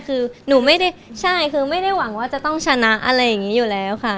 คือหนูไม่ได้ใช่คือไม่ได้หวังว่าจะต้องชนะอะไรอย่างนี้อยู่แล้วค่ะ